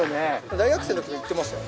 大学生のときに行ってましたよ。